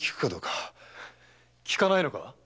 効かないのか？